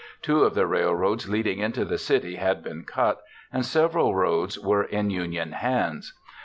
Two of the railroads leading into the city had been cut, and several roads were in Union hands.